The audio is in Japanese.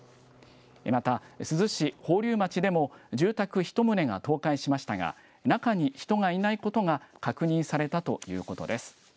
また、珠洲市宝立町でも住宅１棟が倒壊しましたが、中に人がいないことが確認されたということです。